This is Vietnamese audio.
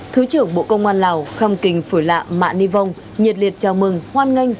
thứ trưởng bộ công an lào kham kinh phủy lạ mạ ni vong nhiệt liệt chào mừng hoan nghênh